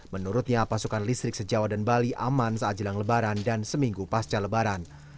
menurutnya pasokan listrik se jawa dan bali aman saat jelang lebaran dan seminggu pasca lebaran